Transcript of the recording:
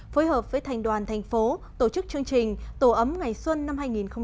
phối hợp với thành đoàn thành phố tổ chức chương trình tổ ấm ngày xuân năm hai nghìn hai mươi